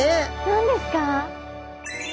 何ですか？